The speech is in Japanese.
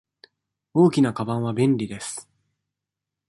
大きなかばんは便利です。